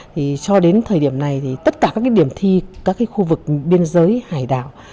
thì cho đến thời điểm này thì tất cả các cái điểm thi các cái khu vực biên giới hải đảo